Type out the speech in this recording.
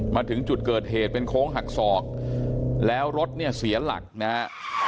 มาถึงจุดเกิดเหตุเป็นโค้งหักศอกแล้วรถเนี่ยเสียหลักนะฮะ